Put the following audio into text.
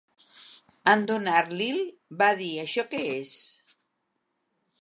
En donar-li’l va dir Això què és?